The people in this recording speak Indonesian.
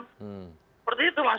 seperti itu mas